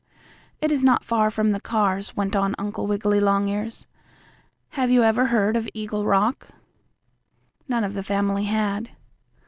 "It is not far from the cars," went on Uncle Wiggily Longears. "Have you ever heard of Eagle Rock?" None of the family had.